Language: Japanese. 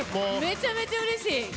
めちゃめちゃうれしい。